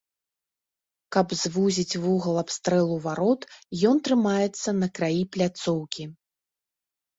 Каб звузіць вугал абстрэлу варот, ён трымаецца на краі пляцоўкі.